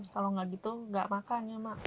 kalau nggak gitu nggak makannya mak